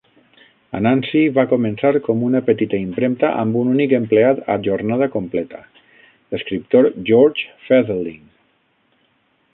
Anansi va començar com una petita impremta amb un únic empleat a jornada completa, l'escriptor George Fetherling.